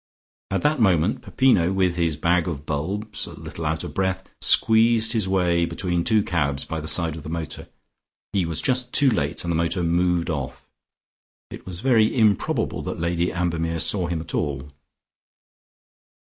At that moment Peppino with his bag of bulbs, a little out of breath, squeezed his way between two cabs by the side of the motor. He was just too late, and the motor moved off. It was very improbable that Lady Ambermere saw him at all.